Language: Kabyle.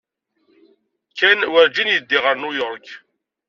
Ken werjin yeddi ɣer New York.